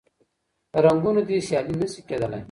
له رنګونو دي سیالي نه سي کېدلای